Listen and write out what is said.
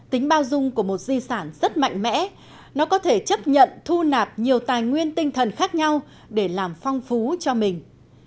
tính bao dung của một di sản rất mạnh mẽ nó có thể chấp nhận thu nạp nhiều tài nguyên tinh thần khác nhau để làm phong phú cho mình